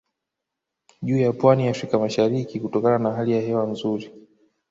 Juu ya pwani ya Afrika mashariki kutokana na hali ya hewa nzuri